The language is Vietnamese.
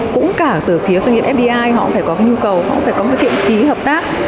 cũng cả từ phía doanh nghiệp fdi họ cũng phải có cái nhu cầu họ cũng phải có cái thiện trí hợp tác